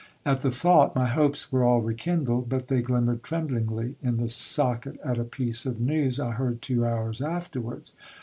At the thought my hopes were all re kindled, but they glimmered tremblingly in the socket at a piece of news I heard two hours afterwards.